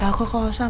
papah pokok kalian